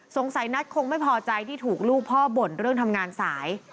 นัทคงไม่พอใจที่ถูกลูกพ่อบ่นเรื่องทำงานสาย